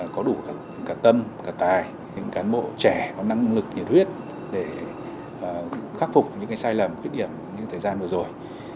có đủ cả tâm cả tài những cán bộ trẻ có năng lực nhiệt huyết để khắc phục những sai lầm khuyết điểm như thời gian vừa rồi